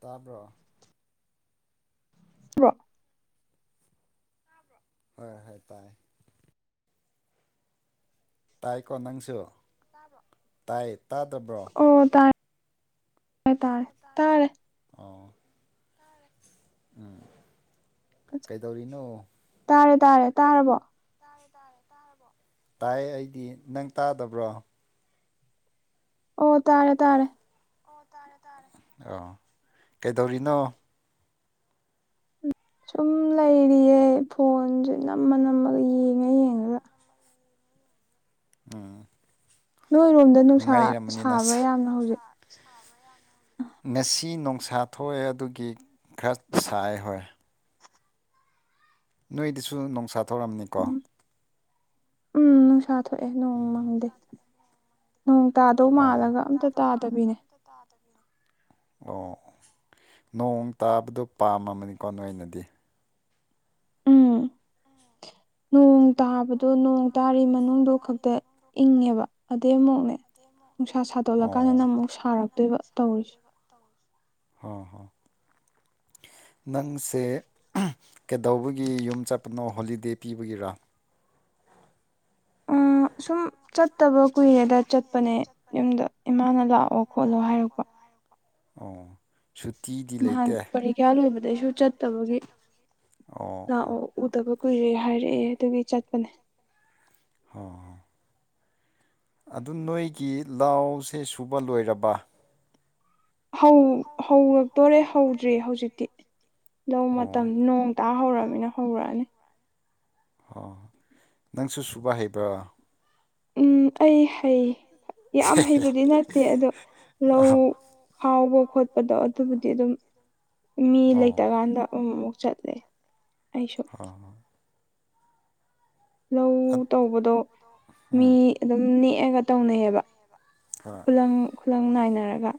ꯇꯥꯕ꯭ꯔꯣ? [inaudible] ꯍꯣꯏ ꯍꯣꯏ ꯇꯥꯏ ꯇꯥꯏꯀꯣ ꯅꯪꯁꯨ ꯇꯥꯏ ꯇꯥꯗꯕ꯭ꯔꯣ ꯑꯣ ꯇꯥꯏ ꯑꯣ ꯇꯔꯦ ꯇꯔꯦ ꯑꯣ ꯇꯥꯏ ꯎꯝ ꯀꯩꯗꯧꯔꯤꯅꯣ ꯇꯥꯔꯦ ꯇꯥꯔꯦ ꯇꯥꯔꯕꯣ ꯇꯥꯏꯌꯦ ꯑꯩꯗꯤ ꯅꯪ ꯇꯥꯗꯕ꯭ꯔꯣ ꯑꯣ ꯇꯥꯔꯦ ꯇꯥꯔꯦ ꯑꯣ ꯀꯩꯗꯧꯔꯤꯅꯣ ꯁꯨꯝ ꯂꯩꯔꯤꯌꯦ ꯐꯣꯟꯁꯦ ꯅꯝꯃ ꯅꯝꯃꯒ ꯌꯦꯡꯉ ꯌꯦꯡꯉꯒ ꯎꯝ ꯅꯣꯏꯔꯣꯝꯗ ꯅꯨꯡꯁꯥ ꯁꯥꯕ꯭ꯔꯥ ꯌꯥꯝꯅ ꯍꯧꯖꯤꯛ ꯉꯁꯤ ꯅꯨꯡꯁꯥ ꯊꯣꯛꯑꯦ ꯑꯗꯨꯒꯤ ꯈꯔ ꯁꯥꯏ ꯍꯣꯏ ꯅꯣꯏꯗꯁꯨ ꯅꯨꯡꯁꯥ ꯊꯣꯡꯔꯝꯅꯤꯀꯣ ꯎꯝ ꯅꯨꯡꯁꯥ ꯊꯣꯛꯑꯦ ꯅꯣꯡ ꯃꯪꯗꯦ꯫ ꯅꯣꯡ ꯇꯥꯗꯧ ꯃꯥꯜꯂꯒ ꯑꯝꯇ ꯇꯥꯗꯕꯤꯅꯦ꯫ ꯑꯝꯇ ꯇꯗꯕꯤꯅꯦ ꯑꯣ ꯅꯣꯡ ꯇꯥꯕꯗꯣ ꯄꯥꯝꯃꯝꯅꯤꯀꯣ ꯅꯣꯏꯅꯗꯤ ꯎꯝ ꯎꯝ ꯅꯣꯡ ꯇꯥꯕꯗꯣ ꯅꯣꯡ ꯇꯥꯔꯤ ꯃꯅꯨꯡꯗꯣ ꯈꯛꯇ ꯏꯪꯉꯦꯕ ꯑꯗꯩ ꯃꯨꯛꯅꯦ ꯅꯨꯡꯁꯥ ꯁꯥꯗꯣꯛꯂ ꯀꯥꯟꯗꯅ ꯑꯃꯨꯛ ꯁꯥꯔꯛꯇꯣꯏꯕ ꯇꯧꯔꯤꯁꯦ ꯍꯣ ꯍꯣ ꯅꯪꯁꯦ ꯀꯗꯧꯕꯒꯤ ꯌꯨꯝ ꯆꯠꯄꯅꯣ ꯍꯣꯂꯤꯗꯦ ꯄꯤꯕꯒꯤꯔꯥ ꯑ ꯁꯨꯝ ꯆꯠꯇꯕ ꯀꯨꯏꯔꯦꯗ ꯆꯠꯄꯅꯦ ꯌꯨꯝꯗ ꯏꯃꯥꯅ ꯂꯥꯛꯑꯣ ꯑꯣ ꯁꯨꯇꯤꯗꯤ ꯅꯍꯥꯟ ꯄꯔꯤꯈ꯭ꯌꯥ ꯂꯣꯏꯕꯗꯩꯁꯨ ꯆꯠꯇꯕꯒꯤ ꯂꯥꯛꯑꯣ ꯎꯗꯕ ꯀꯨꯏꯔꯦ ꯍꯥꯏꯔꯛꯑꯦ ꯑꯗꯨꯒꯤ ꯆꯠꯄꯅꯦ ꯍ ꯑꯗꯨ ꯅꯣꯏꯒꯤ ꯂꯥꯎꯁꯦ ꯁꯨꯕ ꯂꯣꯏꯔꯕ? ꯍꯧ ꯍꯧꯔꯛꯇꯣꯔꯦ ꯍꯧꯗ꯭ꯔꯤ ꯍꯧꯖꯤꯛꯇꯤ ꯂꯧ ꯃꯇꯝ ꯅꯣꯡ ꯇꯥ ꯍꯧꯔꯛꯑꯃꯤꯅ ꯍꯧꯔꯛꯑꯅꯤ ꯑꯣ ꯅꯪꯁꯨ ꯁꯨꯕ ꯍꯩꯕ꯭ꯔꯣ? ꯎꯝ ꯑꯩ ꯍꯩ ꯌꯥꯝ ꯍꯩꯕꯗꯤ ꯅꯠꯇꯦ ꯑꯗꯣ ꯂꯧ ꯈꯥꯎꯕ ꯈꯣꯠꯄꯗꯣ ꯑꯗꯨꯕꯨꯗꯤ ꯑꯗꯨꯝ ꯃꯤ ꯂꯩꯇꯀꯥꯟꯗ ꯑꯃꯨꯛ ꯑꯃꯨꯛ ꯆꯠꯂꯦ꯫ ꯑꯩꯁꯨ ꯂꯧ ꯇꯧꯕꯗꯣ ꯃꯤ ꯑꯗꯨꯝ ꯅꯦꯛꯑꯒ ꯇꯧꯅꯩꯌꯦꯕ ꯈꯨꯂꯪ ꯈꯨꯂꯪ ꯅꯥꯏꯅꯔꯒ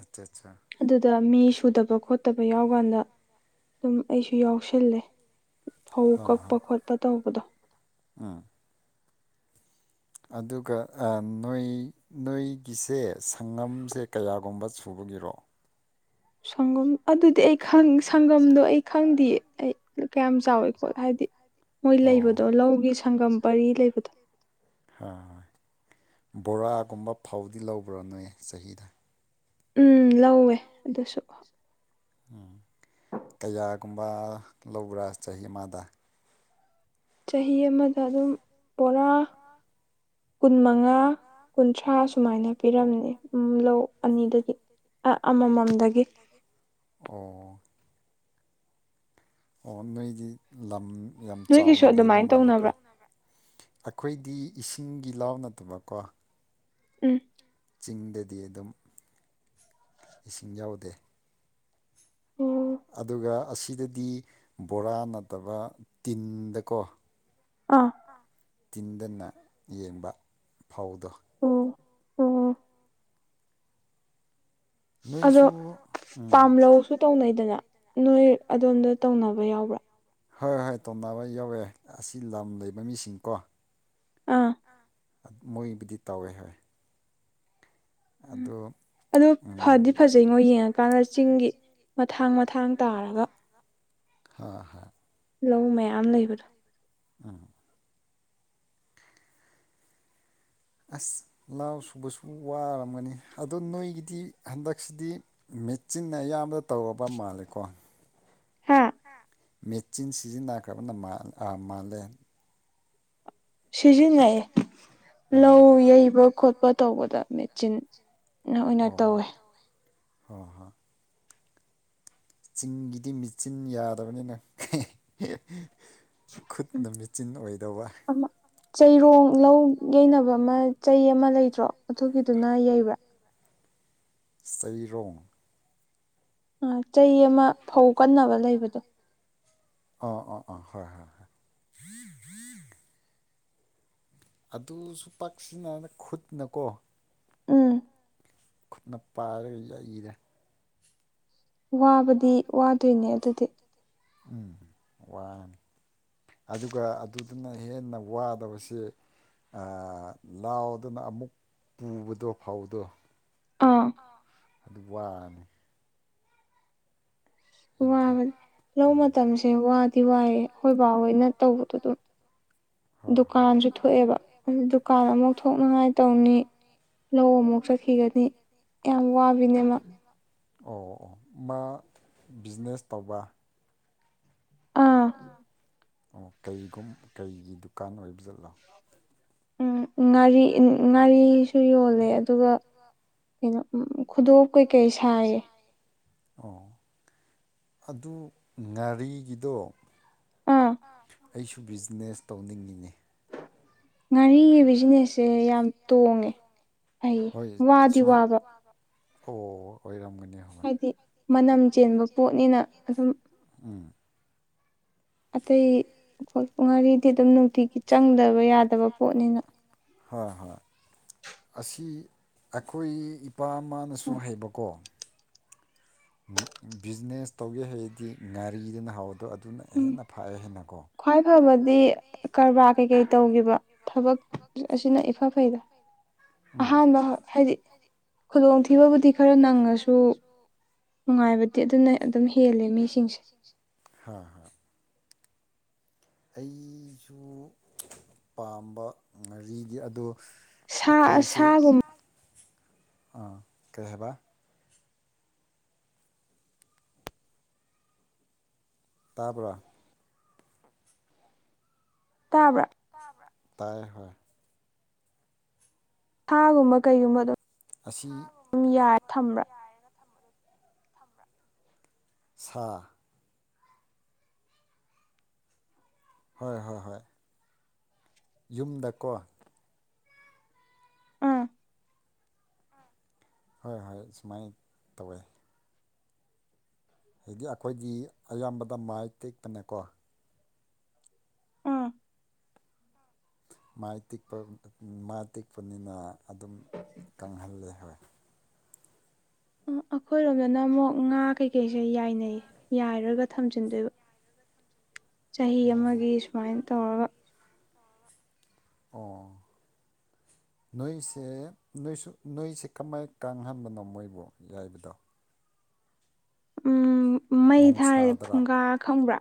ꯑꯆꯥ ꯆꯥ ꯑꯗꯨꯗ ꯃꯤ ꯁꯨꯗꯕ ꯈꯣꯠꯇꯕ ꯌꯥꯎꯀꯥꯟꯗ ꯑꯗꯨꯝ ꯑꯩꯁꯨ ꯌꯥꯎꯁꯜꯂꯦ꯫ ꯐꯧ ꯀꯛꯄ ꯈꯣꯠꯄ ꯇꯧꯕꯗꯣ ꯑꯗꯨꯒ ꯑꯥ ꯅꯣꯏ ꯅꯣꯏꯒꯤꯁꯦ ꯁꯪꯉꯝꯁꯦ ꯀꯌꯥꯒꯨꯝꯕ ꯁꯨꯕꯒꯤꯔꯣ ꯁꯪꯒꯨꯝ ꯑꯗꯨꯗꯤ ꯑꯩ ꯈꯪ ꯁꯪꯒꯝꯗꯣ ꯑꯩ ꯈꯪꯗꯤꯌꯦ ꯑꯩ ꯀꯌꯥꯝ ꯆꯥꯎꯋꯤ ꯈꯣꯠ ꯍꯥꯏꯗꯤ ꯃꯣꯏ ꯂꯩꯔꯨꯗꯣ ꯂꯧꯒꯤ ꯁꯪꯒꯝ ꯄꯔꯤ ꯂꯩꯕꯗꯣ ꯍꯣꯏ ꯕꯣꯔꯥꯒꯨꯝꯕ ꯐꯧꯗꯤ ꯂꯧꯕ꯭ꯔꯥ ꯅꯣꯏ ꯆꯍꯤꯗ ꯎꯝ ꯂꯧꯋꯦ ꯑꯗꯨꯁꯨ ꯎꯝ ꯀꯌꯥꯒꯨꯝꯕ ꯂꯧꯕ꯭ꯔꯥ ꯆꯍꯤ ꯑꯃꯗ ꯆꯍꯤ ꯑꯃꯗ ꯑꯗꯨꯝ ꯕꯣꯔꯥ ꯀꯨꯟ ꯃꯉꯥ ꯀꯨꯟꯊ꯭ꯔꯥ ꯁꯨꯃꯥꯏꯅ ꯄꯤꯔꯝꯅꯤ ꯎꯝ ꯂꯧ ꯑꯅꯤꯗꯨꯒꯤ ꯑꯥ ꯑꯃꯃꯝꯗꯒꯤ ꯑꯣ ꯑꯣ ꯅꯣꯏꯗꯤ ꯂꯝ ꯌꯥꯝ ꯆꯥꯎꯅ ꯂꯩꯕ ꯃꯥꯜꯂꯦꯀꯣ ꯑꯩꯈꯣꯏꯗꯤ ꯏꯁꯤꯡꯒꯤ ꯂꯥꯎ ꯅꯠꯇꯕꯀꯣ ꯎꯝ ꯆꯤꯡꯗꯗꯤ ꯑꯗꯨꯝ ꯏꯁꯤꯡ ꯌꯥꯎꯗꯦ ꯑꯣ ꯑꯗꯨꯒ ꯑꯁꯤꯗꯗꯤ ꯕꯣꯔꯥ ꯅꯠꯇꯕ ꯇꯤꯟꯗꯀꯣ ꯑꯥ ꯑꯥ ꯇꯤꯟꯗꯅ ꯌꯦꯡꯕ ꯐꯥꯎꯗꯣ ꯑꯣ ꯑꯣ ꯑꯗꯣ ꯄꯥꯝ ꯂꯧꯁꯨ ꯇꯧꯅꯩꯗꯅ ꯅꯣꯏ ꯑꯗꯣꯟꯗ ꯇꯧꯅꯕ ꯌꯥꯎꯕ꯭ꯔꯥ ꯍꯣꯏ ꯍꯣꯏ ꯇꯣꯅꯕ ꯌꯥꯎꯋꯦ ꯑꯁꯤ ꯂꯝ ꯂꯩꯕ ꯃꯤꯁꯤꯡꯀꯣ ꯑꯥ ꯃꯣꯏꯕꯨꯗꯤ ꯇꯧꯔꯦ ꯍꯥꯏ ꯑꯗꯣ ꯑꯝ ꯐꯗꯤ ꯐꯖꯩꯩ ꯃꯣꯢꯒꯤ ꯉꯟꯇꯥꯅ ꯆꯤꯡꯒꯤ ꯃꯊꯥꯡ ꯃꯊꯥꯡ ꯇꯥꯔꯒ [unintelligible] ꯂꯧ ꯃꯌꯥꯝ ꯂꯩꯕꯗꯣ ꯎꯝ ꯑꯁ ꯂꯥꯎ ꯁꯨꯕꯁꯨ ꯋꯥꯔꯝꯒꯅꯤ ꯑꯗꯣ ꯅꯣꯏꯒꯤꯗꯤ ꯍꯟꯗꯛꯁꯤꯗꯤ ꯃꯦꯆꯤꯟꯅ ꯑꯌꯥꯝꯕ ꯇꯧꯔꯕ ꯃꯥꯜꯂꯦꯀꯣ ꯍꯥ ꯃꯦꯆꯤꯟ ꯁꯤꯖꯤꯟꯅꯈ꯭ꯔꯕꯅ ꯃꯥ ꯑꯥ ꯃꯥꯜꯂꯦ ꯁꯤꯖꯤꯟꯅꯩ ꯂꯧ ꯌꯩꯕ ꯈꯣꯠꯄ ꯇꯧꯕꯗ ꯃꯦꯆꯤꯟ ꯅ ꯑꯣꯏꯅ ꯇꯧꯋꯦ ꯍꯣꯏ ꯍꯣꯢ ꯆꯤꯡꯒꯤꯗꯤ ꯃꯤꯆꯤꯟ ꯌꯥꯗꯕꯅꯤꯅ ꯈꯨꯠꯅ ꯃꯦꯆꯤꯟ ꯑꯣꯏꯗꯧꯕ ꯆꯩꯔꯣꯡ ꯂꯧ ꯌꯩꯅꯕ ꯑꯃ ꯆꯩ ꯑꯃ ꯂꯩꯇ꯭ꯔꯣ ꯑꯗꯨꯒꯤꯗꯨꯅ ꯌꯩꯕ꯭ꯔꯥ ꯆꯩꯔꯣꯡ ꯑꯥ ꯆꯩ ꯑꯃ ꯐꯧ ꯀꯟꯅꯕ ꯂꯩꯕꯗꯣ ꯑꯥ ꯑꯥ ꯑꯥ ꯍꯣꯏ ꯍꯣꯏ ꯍꯣꯏ ꯑꯗꯨꯁꯨ ꯄꯥꯛꯁꯤꯟꯅꯅ ꯈꯨꯠꯅꯀꯣ ꯎꯝ ꯈꯨꯠꯅ ꯄꯥꯏꯔꯒ ꯌꯩꯔꯦ ꯋꯥꯕꯗꯤ ꯋꯥꯗꯣꯏꯅꯦ ꯑꯗꯨꯗꯤ꯫ ꯎꯝ ꯋꯥꯟ ꯑꯗꯨꯒ ꯑꯗꯨꯗꯅ ꯍꯦꯟꯅ ꯋꯥꯗꯕꯁꯤ꯫ ꯑ ꯂꯥꯎꯗꯨꯅ ꯑꯃꯨꯛ ꯄꯨꯕꯗꯣ ꯐꯧꯗꯣ꯫ ꯑ ꯑꯗꯨ ꯋꯥꯅꯤ꯫ ꯑꯩꯒꯤ ꯎꯝ ꯂꯧ ꯃꯇꯝꯁꯦ ꯋꯥꯗꯤ ꯋꯥꯏꯌꯦ ꯑꯩꯈꯣꯏ ꯕꯥꯍꯣꯢꯅ ꯇꯧꯕꯗꯣ ꯍꯣ ꯍꯣ ꯗꯨꯀꯥꯟꯁꯨ ꯊꯣꯛꯑꯦꯕ ꯗꯨꯀꯥꯟ ꯑꯃꯨꯛ ꯊꯣꯛꯛꯅꯉꯥꯏ ꯇꯧꯅꯤ꯫ ꯂꯧ ꯑꯃꯨꯛ ꯆꯠꯈꯤꯒꯅꯤ ꯌꯥꯝ ꯋꯥꯕꯤꯅꯦꯃꯥ꯫ ꯑꯣ ꯑꯣ ꯃꯥ ꯕꯤꯖꯤꯅꯦꯁ ꯇꯧꯕ꯫ ꯑ ꯑꯣ ꯀꯩꯒꯨꯝ ꯀꯩꯒꯤ ꯗꯨꯀꯥꯟ ꯑꯣꯏꯕ ꯖꯥꯠꯂ꯫ [inaudible] ꯎꯝ ꯉꯥꯔꯤ ꯉꯥꯔꯤꯁꯨ ꯌꯣꯜꯂꯦ ꯑꯗꯨꯒ ꯀꯩꯅꯣ ꯎꯝ ꯈꯨꯗꯣꯞ꯫ ꯈꯨꯗꯣꯞ ꯀꯩꯀꯩ ꯁꯥꯏꯌꯦ ꯫ ꯑꯣ ꯑꯗꯨ ꯉꯥꯔꯤꯒꯤꯗꯣ ꯑꯥ ꯑꯩꯁꯨ ꯕꯤꯖꯤꯅꯦꯁ ꯇꯧꯅꯤꯡꯉꯤꯅꯦ꯫ ꯉꯥꯔꯤꯒꯤ ꯕꯤꯖꯤꯅꯦꯁꯁꯦ ꯌꯥꯝ ꯇꯣꯡꯉꯦ ꯐꯩꯌꯦ ꯋꯥꯗꯤ ꯋꯥꯕ꯫ ꯑꯣ ꯑꯣꯏꯔꯝꯒꯅꯤ ꯍ ꯍꯥꯏꯗꯤ ꯃꯅꯝ ꯆꯦꯟꯕ ꯄꯣꯠꯅꯤꯅ ꯑꯗꯨꯝ ꯎꯝ ꯑꯇꯩ ꯑꯈꯣ ꯉꯥꯔꯤꯗꯤ ꯑꯗꯨꯝ ꯅꯨꯡꯇꯤꯒꯤ ꯆꯪꯗꯕ ꯌꯥꯗꯕ ꯄꯣꯠꯅꯤꯅ꯫ ꯍꯣꯏ ꯍꯣꯏ ꯑꯁꯤ ꯑꯩꯈꯣꯏ ꯏꯄꯥ ꯑꯃꯥꯅꯁꯨ ꯍꯥꯏꯕꯀꯣ ꯑꯝ ꯕꯤꯖꯤꯅꯦꯁ ꯇꯧꯒꯦ ꯍꯥꯏꯔꯗꯤ ꯉꯥꯔꯤꯗꯨꯅ ꯍꯥꯎꯗꯣ ꯑꯗꯨꯅ ꯍꯦꯟꯅ ꯐꯩꯌꯦ ꯍꯥꯏꯅꯀꯣ ꯈ꯭ꯋꯥꯏ ꯐꯕꯗꯤ ꯀꯔꯕꯥꯔ ꯀꯩꯀꯩ ꯇꯧꯒꯤꯕ ꯊꯕꯛ ꯑꯁꯤꯅ ꯏꯐ ꯐꯩꯗ ꯑꯍꯥꯟꯕ ꯍꯥꯏꯗꯤ ꯈꯨꯗꯣꯡꯊꯤꯕꯕꯨꯗꯤ ꯈꯔ ꯅꯪꯉꯁꯨ ꯅꯨꯡꯉꯥꯏꯕꯗꯤ ꯑꯗꯨꯅ ꯑꯗꯨꯝ ꯍꯦꯜꯂꯦ ꯃꯤꯁꯤꯡꯁꯦ ꯍꯣ ꯍꯣ ꯑꯩꯁꯨ ꯄꯥꯝꯕ ꯉꯥꯔꯤꯗꯤ ꯑꯗꯣ ꯁꯥ ꯁꯥꯒꯨꯝ ꯑꯥ ꯀꯩ ꯍꯥꯏꯕ ꯇꯥꯕ꯭ꯔꯥ ꯫ ꯇꯥꯕ꯭ꯔꯥ ꯇ꯭ꯕꯔꯥ ꯇꯥꯏꯌꯦ ꯍꯣꯏ ꯁꯥꯒꯨꯝꯕ ꯀꯩꯒꯨꯝꯕ ꯑꯗꯣ ꯑꯁꯤ ꯁꯥꯒꯨꯝꯕ ꯀꯩꯒꯨꯝꯕ ꯑꯗꯨꯝ ꯌꯥꯏꯔꯒ ꯊꯝꯕꯗꯣ ꯊꯝꯕꯔ꯭ꯥ ꯁꯥ ꯍꯣꯏ ꯍꯣꯏ ꯍꯣꯏ ꯌꯨꯝꯗꯀꯣ ꯑꯥ ꯍꯣꯏ ꯍꯣꯏ ꯁꯨꯃꯥꯏꯅꯟ ꯇꯧꯋꯦ꯫ ꯍꯥꯏꯗꯤ ꯑꯩꯈꯣꯏꯗꯤ ꯑꯌꯥꯝꯕꯗ ꯃꯥꯏ ꯀꯦꯛꯇꯅꯦꯀꯣ ꯎꯝ ꯃꯥꯏ ꯇꯤꯛꯄ ꯃꯥꯥ ꯇꯤꯛꯄꯅꯤꯅ ꯑꯗꯨꯝ ꯀꯪꯍꯜꯂꯦ ꯍꯣꯏ ꯎꯝ ꯑꯈꯣꯏꯔꯣꯝꯗꯅ ꯑꯃꯨꯛ ꯉꯥ ꯀꯩꯀꯩꯁꯦ ꯌꯥꯏꯅꯩ ꯌꯥꯏꯔꯒ ꯊꯝꯖꯤꯟꯗꯣꯏꯕ ꯫ ꯆꯍꯤ ꯑꯃꯒꯤ ꯁꯨꯃꯥꯏꯟ ꯇꯧꯔꯒ꯫ ꯑꯣ [inaudible] ꯅꯣꯏꯁꯦ ꯅꯣꯏꯁꯨ ꯅꯣꯏꯁꯦ ꯀꯃꯥꯏꯅ ꯀꯥꯡꯍꯟꯕꯅꯣ ꯃꯣꯏꯕꯨ ꯌꯥꯏꯕꯗꯣ ꯎꯝ ꯃꯩ ꯊꯥꯔꯦ ꯐꯨꯡꯒꯥ ꯈꯪꯕ꯭ꯔꯥ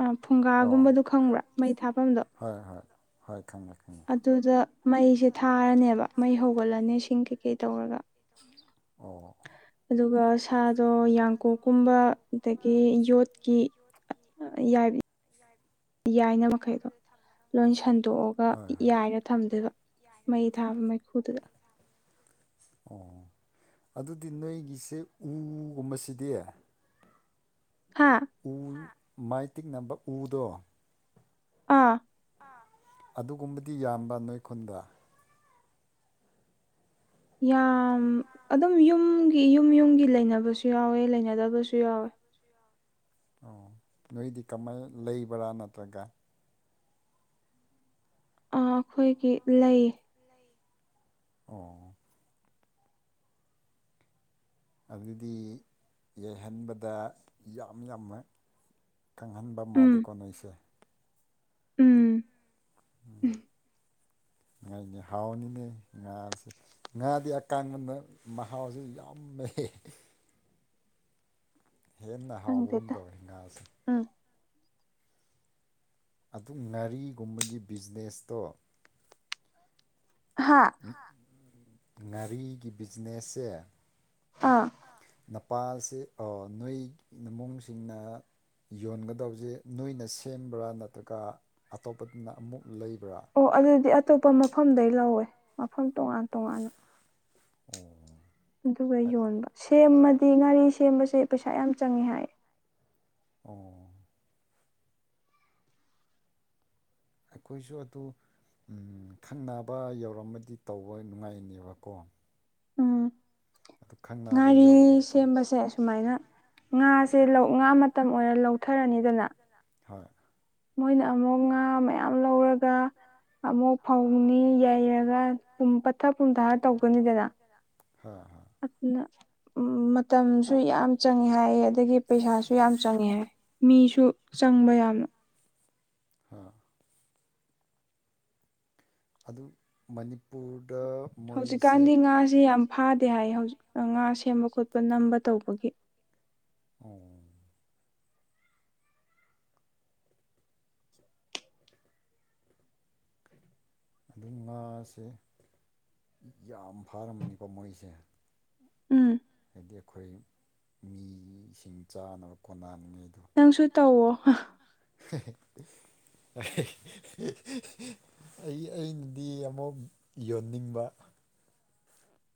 ꯑꯥ ꯐꯨꯡꯒꯥꯒꯨꯝꯕꯗꯣ ꯈꯪꯕ꯭ꯔꯥ ꯃꯩ ꯊꯥꯕꯝꯗꯣ ꯍꯣꯏ ꯍꯣꯏ ꯍꯣꯏ ꯈꯪꯉꯦ ꯈꯣꯉꯦ ꯑꯗꯨꯗ ꯃꯩꯁꯦ ꯊꯥꯔꯅꯦꯕ ꯃꯩ ꯍꯧꯒꯠꯂꯅꯤ ꯁꯤꯡ ꯀꯩꯀꯩ ꯇꯧꯔꯒ ꯑꯣ ꯑꯗꯨꯒ ꯁꯥꯗꯣ ꯌꯥꯡꯀꯣꯛꯀꯨꯝꯕ ꯑꯗꯒꯤ ꯌꯣꯠꯀꯤ ꯌꯥꯏ [unintelligible] ꯌꯥꯏꯅ ꯃꯈꯩꯗꯣ ꯂꯣꯏ ꯁꯟꯗꯣꯛꯑꯒ ꯌꯥꯏꯔ ꯊꯝꯗꯣꯏꯕ ꯃꯩ ꯊꯥꯕ ꯃꯩꯈꯨꯗꯨꯗ ꯑꯣ ꯑꯗꯨꯗꯤ ꯅꯣꯏꯒꯤꯁꯦ ꯎꯒꯨꯝꯕꯁꯤꯗꯤ ꯍꯥꯥ ꯎ ꯃꯥꯏ ꯇꯤꯛꯅꯕ ꯎꯗꯣ ꯑꯥ ꯑꯗꯨꯒꯨꯝꯕꯗꯤ ꯌꯥꯝꯕ ꯅꯣꯏ ꯈꯨꯟꯗ ꯌꯥꯝ ꯑꯗꯨꯝ ꯌꯨꯝꯒꯤ ꯌꯨꯝ ꯌꯨꯝꯒꯤ ꯂꯩꯅꯕꯁꯨ ꯌꯥꯎꯋꯦ ꯂꯩꯅꯗꯕꯁꯨ ꯌꯥꯎꯋꯦ ꯑꯣ ꯅꯣꯏꯗꯤ ꯀꯃꯥꯏꯅ ꯂꯩꯕ꯭ꯔꯥ ꯅꯠꯇ꯭ꯔꯒ ꯑꯈꯣꯏꯒꯤ ꯂꯩ ꯑꯣ ꯑꯗꯨꯗꯤ ꯌꯩꯍꯟꯕꯗ ꯌꯥꯝ ꯌꯥꯝꯃ ꯀꯪꯍꯟꯕ ꯃꯥꯜꯂꯦꯀꯣ ꯅꯣꯏꯁꯦ ꯎꯝ ꯉꯥꯏꯅꯦ ꯍꯥꯎꯅꯤꯅꯦ ꯉꯥꯥꯁꯦ ꯉꯥꯗꯤ ꯑꯀꯥꯡꯕꯗ ꯃꯍꯥꯎꯁꯨ ꯌꯥꯝ ꯂꯩꯩ ꯍꯦꯟꯅ ꯍꯥꯎꯕꯒꯨꯝ ꯇꯧꯔꯦ ꯉꯥꯁꯦ ꯎꯝ ꯑꯗꯨ ꯉꯥꯔꯤꯒꯨꯝꯕꯒꯤ ꯕꯤꯖꯤꯅꯦꯁꯇꯣ ꯍꯥꯥ ꯉꯥꯔꯤꯒꯤ ꯕꯤꯖꯤꯅꯦꯁꯁꯦ ꯑꯥ ꯅꯄꯥꯁꯦ ꯑꯣ ꯅꯣꯏ ꯏꯃꯨꯡꯁꯤꯡꯅ ꯌꯣꯟꯒꯗꯕꯁꯦ ꯅꯣꯏꯅ ꯁꯦꯝꯕ꯭ꯔꯥ ꯅꯠꯇ꯭ꯔꯒ ꯑꯇꯣꯞꯄꯗꯨꯅ ꯑꯃꯨꯛ ꯂꯩꯕ꯭ꯔꯥ ꯑꯣ ꯑꯗꯨꯗꯤ ꯑꯇꯣꯞꯄ ꯃꯐꯝꯗꯩ ꯂꯧꯋꯦ ꯃꯐꯝ ꯇꯣꯉꯥꯟ ꯇꯣꯉꯥꯟꯅ ꯑꯣ ꯑꯗꯨꯒ ꯌꯣꯟꯕ ꯁꯦꯝꯃꯗꯤ ꯉꯥꯔꯤ ꯁꯦꯝꯕꯁꯦ ꯄꯩꯁꯥ ꯌꯥꯝ ꯆꯪꯉꯦ ꯍꯥꯏ ꯑꯣ ꯑꯩꯈꯣꯏꯁꯨ ꯑꯗꯨ ꯈꯪꯅꯕ ꯌꯧꯔꯝꯃꯗꯤ ꯇꯧꯕ ꯅꯨꯡꯉꯥꯏꯅꯤꯕꯀꯣ ꯎꯝ ꯉꯥꯔꯤ ꯁꯦꯝꯕꯁꯦ ꯑꯁꯨꯃꯥꯏꯅ ꯉꯥꯁꯦ ꯉꯥ ꯃꯇꯝ ꯑꯣꯏꯔ ꯂꯧꯊꯔꯅꯤꯗꯅ ꯍꯣꯏ ꯃꯣꯏꯅ ꯑꯃꯨꯛ ꯉꯥ ꯃꯌꯥꯝ ꯂꯧꯔꯒ ꯑꯃꯨꯛ ꯐꯧꯅꯤ ꯌꯩꯔꯒ ꯄꯨꯝ ꯄꯠꯊ ꯄꯨꯝꯊꯔ ꯇꯧꯒꯅꯤꯗꯅ ꯍꯥ ꯍ ꯑꯗꯨꯅ ꯎꯝ ꯃꯇꯝꯁꯨ ꯌꯥꯝ ꯆꯪꯉꯦ ꯍꯥꯏꯌꯦ ꯑꯗꯒꯤ ꯄꯩꯁꯥꯁꯨ ꯌꯥꯝ ꯆꯪꯉꯦ ꯍꯥꯏ ꯃꯤꯁꯨ ꯆꯪꯕ ꯌꯥꯝꯅ ꯑꯗꯨ ꯃꯅꯤꯄꯨꯔꯗ ꯍꯧꯖꯤꯛꯀꯥꯟꯗꯤ ꯉꯥꯥꯖꯤ ꯌꯥꯝ ꯐꯥꯗꯦ ꯍꯥꯏꯌꯦ ꯍꯧꯖꯤꯛ ꯉꯥ ꯁꯦꯝꯕ ꯈꯣꯠꯄ ꯅꯝꯕ ꯇꯧꯕꯒꯤ ꯑꯣ ꯑꯗꯨꯝ ꯉꯥꯁꯦ ꯌꯥꯝ ꯐꯥꯔꯝꯃꯅꯤꯀꯣ ꯃꯣꯏꯁꯦ ꯎꯝ ꯍꯥꯏꯗꯤ ꯑꯩꯈꯣꯏ ꯃꯤꯁꯤꯡ ꯆꯥꯅꯕ ꯀꯣꯟꯅꯅꯤꯡꯉꯩ ꯅꯪꯁꯨ ꯇꯧꯋꯣ [unintelligible] ꯑꯩ ꯑꯩꯅꯗꯤ ꯑꯃꯨꯛ ꯌꯣꯟꯅꯤꯡꯕ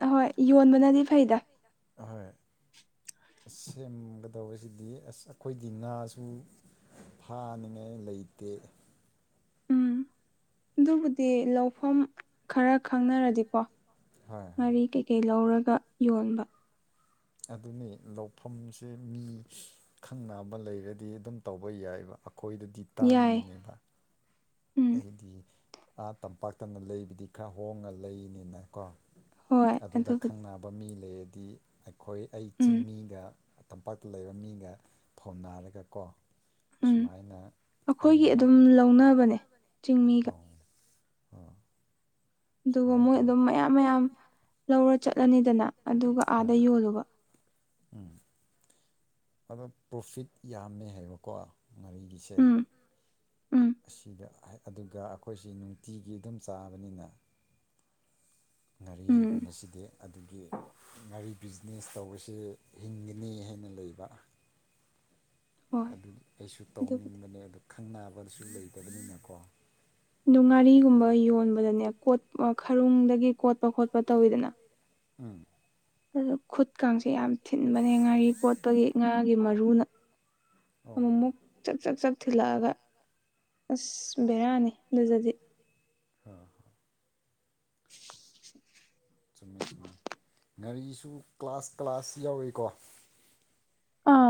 ꯑꯍꯣꯏ ꯌꯣꯟꯕꯅꯗꯤ ꯐꯩꯗ ꯑꯍꯣꯏ ꯁꯦꯝꯒꯗꯧꯕꯖꯤꯗꯤ ꯑꯁ ꯑꯈꯣꯏꯗꯤ ꯉꯥꯁꯨ ꯐꯥꯅꯤꯡꯉꯥꯏ ꯂꯩꯇꯦ ꯑꯗꯨꯕꯨꯗꯤ ꯂꯧꯐꯝ ꯈꯔ ꯈꯪꯅꯔꯗꯤꯀꯣ ꯉꯥꯔꯤ ꯀꯩꯀꯩ ꯂꯧꯔꯒ ꯌꯣꯟꯕ ꯑꯗꯨꯅꯦ ꯂꯧꯐꯝꯁꯦ ꯃꯤ ꯈꯪꯅꯕ ꯂꯩꯔꯗꯤ ꯑꯗꯨꯝ ꯇꯧꯕ ꯌꯥꯏꯕ ꯑꯈꯣꯏꯗꯗꯤ ꯇꯥꯡꯉꯤꯅꯦꯕ ꯑꯩꯗꯤ ꯑ ꯇꯝꯄꯥꯛꯇꯝꯅ ꯂꯩꯕꯗꯤ ꯈꯔ ꯍꯣꯡꯉ ꯂꯩꯅꯤꯅ ꯀꯣ ꯑꯗꯨꯗ ꯈꯪꯅꯕ ꯃꯤ ꯂꯩꯔꯗꯤ ꯑꯩꯈꯣꯏ ꯑꯩ ꯆꯤꯡꯃꯤꯒ ꯇꯝꯄꯥꯛꯇ ꯂꯩꯕ ꯃꯤꯒ ꯐꯣꯝꯅꯔꯒ ꯀꯣ ꯁꯨꯃꯥꯏꯅ ꯑꯩꯅ ꯂꯧꯅꯕꯅꯦ ꯆꯤꯡꯃꯤꯒ ꯑꯗꯨꯒ ꯃꯣꯏ ꯑꯗꯨꯝ ꯃꯌꯥꯝ ꯃꯌꯥꯝ ꯂꯧꯔ ꯆꯠꯂꯅꯤꯗꯅ ꯑꯗꯨꯒ ꯑꯥꯗ ꯌꯣꯜꯂꯨꯕ ꯎꯝ ꯑꯗꯣ ꯄ꯭ꯔꯣꯐꯤꯠ ꯌꯥꯝꯃꯦ ꯍꯥꯏꯕꯀꯣ ꯉꯥꯔꯤꯒꯤꯁꯦ ꯑꯁꯤꯗ ꯍꯥꯏꯠ ꯑꯗꯨꯒ ꯑꯈꯣꯏꯁꯤ ꯅꯨꯡꯇꯤꯒꯤ ꯑꯗꯨꯝ ꯆꯥꯕꯅꯤꯅ ꯉꯥꯔꯤꯒꯨꯝꯕꯁꯤꯗꯤ ꯑꯗꯨꯒꯤ ꯉꯥꯔꯤ ꯕꯤꯖꯤꯅꯦꯁ ꯇꯧꯕꯁꯦ ꯍꯤꯡꯒꯅꯤ ꯍꯥꯏꯅ ꯂꯩꯕ ꯑꯗꯨꯝ ꯑꯩꯁꯨ ꯇꯧꯅꯤꯡꯕꯅꯦ ꯑꯗꯣ ꯈꯪꯅꯕꯁꯨ ꯂꯩꯇꯕꯅꯤꯅꯀꯣ ꯑꯗꯨ ꯉꯥꯔꯤꯒꯨꯝꯕ ꯌꯣꯟꯕꯗꯅꯦ ꯀꯣꯠ ꯈꯔꯨꯡꯗꯒꯤ ꯀꯣꯠꯄ ꯈꯣꯠꯄ ꯇꯧꯋꯤꯗꯅ ꯎꯝ ꯑꯗꯨ ꯈꯨꯠ ꯀꯥꯡꯁꯦ ꯌꯥꯝ ꯊꯤꯟꯕꯅꯦ ꯉꯥꯔꯤ ꯀꯣꯠꯄꯒꯤ ꯉꯥꯒꯤ ꯃꯔꯨꯅ ꯑꯃꯨꯃꯨꯛ ꯆꯛ ꯆꯛ ꯆꯛ ꯊꯤꯜꯂꯛꯑꯒ ꯑꯁ ꯕꯦꯔꯥꯅꯤ ꯑꯗꯨꯗꯗꯤ ꯑ [inaudible] ꯆꯨꯝꯃꯦ ꯆꯨꯝꯃꯦ ꯉꯥꯔꯤꯁꯨ ꯀ꯭ꯂꯥꯁ ꯀ꯭ꯂꯥꯁ ꯌꯥꯎꯋꯤꯀꯣ